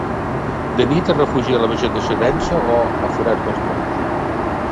De nit, es refugia a la vegetació densa o a forats dels troncs.